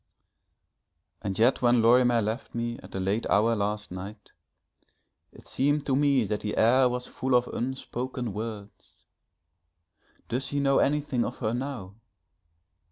And yet when Lorimer left me at a late hour last night, it seemed to me that the air was full of unspoken words. Does he know anything of her now!